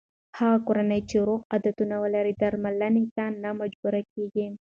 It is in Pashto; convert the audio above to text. هره کورنۍ چې روغ عادتونه ولري، درملنې ته نه مجبوره کېږي.